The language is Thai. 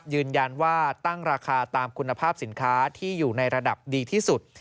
ยืนยันว่าตั้งราคาตามคุณภาพสินค้าที่อยู่ในระดับดีที่สุด